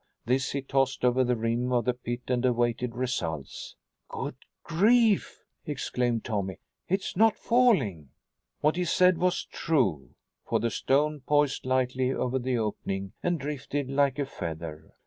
This he tossed over the rim of the pit and awaited results. "Good grief!" exclaimed Tommy. "It's not falling!" What he said was true, for the stone poised lightly over the opening and drifted like a feather.